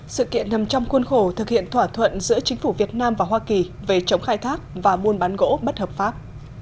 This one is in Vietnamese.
sự kiện nằm trong khuôn khổ thực hiện thỏa thuận giữa chính phủ việt nam và hoa kỳ về chống khai thác và buôn bán gỗ bất hợp pháp